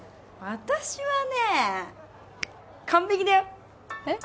私はねえ完璧だよえっ？